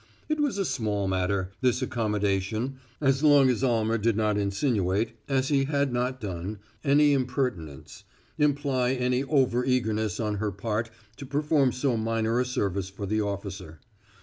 It was a small matter, this accommodation, as long as Almer did not insinuate as he had not done any impertinence; imply any over eagerness on her part to perform so minor a service for the officer.